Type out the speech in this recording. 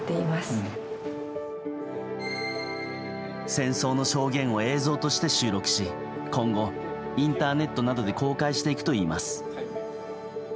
戦争の証言を映像として収録し今後、インターネットなどで公開していくといいます。